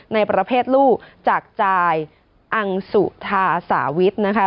ในประเภทลูกจากจายอังสุธาสาวิทนะคะ